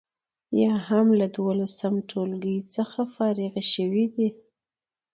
یا هم له دولسم ټولګي څخه فارغې شوي دي.